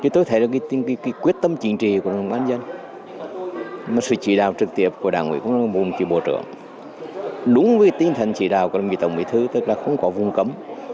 tôi thấy quyết tâm chiến trì của đồng chí bộ trưởng sự chỉ đạo trực tiếp của đảng quỹ của đồng chí bộ trưởng đúng với tính thần chỉ đạo của đồng chí tổng giám đốc tập đoàn tân hoàng minh đỗ anh dũng không có vun cấm